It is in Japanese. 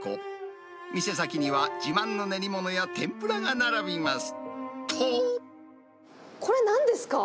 店先には、自慢の練り物や天ぷらが並びます。